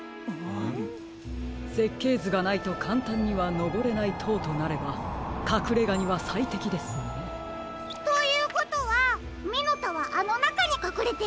せっけいずがないとかんたんにはのぼれないとうとなればかくれがにはさいてきですね。ということはミノタはあのなかにかくれているんですか？